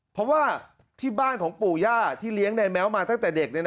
เพราะว่าที่บ้านของปู่ย่าที่เลี้ยงในแม้วมาตั้งแต่เด็ก